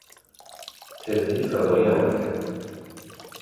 Tevlî favoriyan bike.